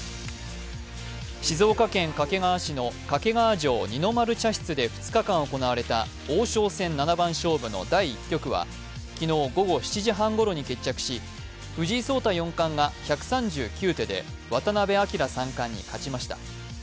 静岡県掛川市の掛川城二の丸茶室で２日間行われた王将戦七番勝負の第１局は昨日午後７時半ごろに決着し、藤井聡太四冠が１３９手で渡辺明三冠に勝ちました。